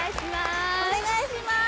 お願いします